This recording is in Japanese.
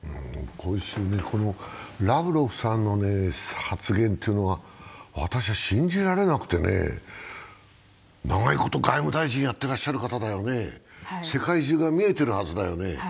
今週、ラブロフさんの発言というのは、私は信じられなくて長いこと外務大臣やっていらっしゃる方だよね、世界中が見えてるはずだよね。